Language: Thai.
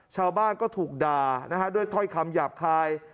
ชาวบ้านก็ถูกด่านะฮะด้วยถ้อยคำหยาบคาย